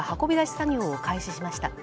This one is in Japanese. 作業を開始しました